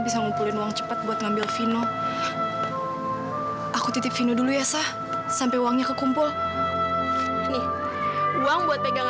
sampai jumpa di video selanjutnya